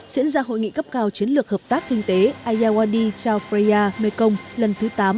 diễn ra hội nghị cấp cao chiến lược hợp tác kinh tế ayawadi chao freya mekong lần thứ tám